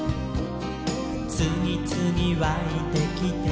「つぎつぎわいてきて」